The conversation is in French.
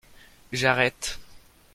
J'arrête.